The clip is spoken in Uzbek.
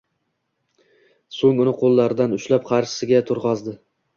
So'ng uni qo'llaridan ushlab, qarshisiga turg'azdi: